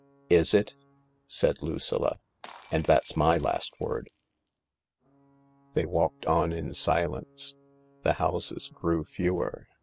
" Is it ?" said Lucilla. " And that's my last word." They walked on in silence. The houses grew fewer.